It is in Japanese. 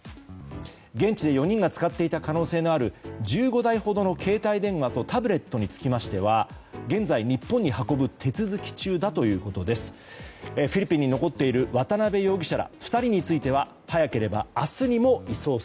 現地で４人が使っていた可能性のある１５台ほどの携帯電話とタブレットにつきましては現在、日本に運ぶ手続き中だということです。